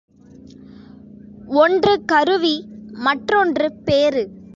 ஒன்று கருவி மற்றொன்று பேறு.